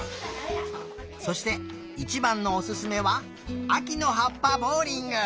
そしていちばんのおすすめはあきのはっぱボウリング。